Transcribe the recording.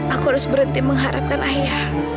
aku harus berhenti mengharapkan ayah